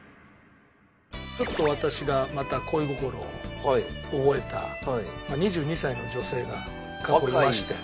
ちょっと私がまた恋心を覚えた２２歳の女性が過去いまして。